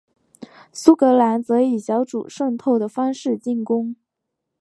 苏格兰则以小组渗透的方式进攻。